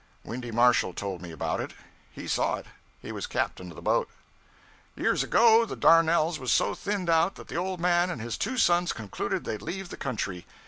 Windy Marshall told me about it. He saw it. He was captain of the boat. 'Years ago, the Darnells was so thinned out that the old man and his two sons concluded they'd leave the country.